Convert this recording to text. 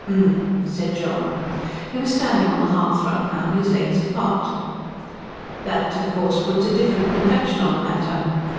"H'm," said John: he was standing on the hearthrug now, his legs apart. "That, of course, puts a different complexion on the matter.